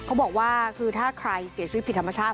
เขาบอกว่าคือถ้าใครเสียชีวิตผิดธรรมชาติ